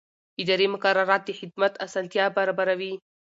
اداري مقررات د خدمت اسانتیا برابروي.